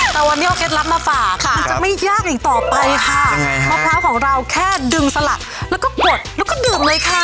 แต่วันนี้เอาเคล็ดลับมาฝากมันจะไม่ยากอีกต่อไปค่ะมะพร้าวของเราแค่ดึงสลักแล้วก็กดแล้วก็ดื่มเลยค่ะ